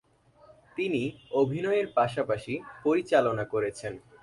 তিনি অভিনয়ের পাশাপাশি পরিচালনা করেছেন।